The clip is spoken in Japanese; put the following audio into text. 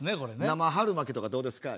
「生春巻きとかどうですか？」。